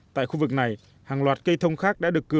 tại khu vực này hàng loạt cây thông khác đã được cử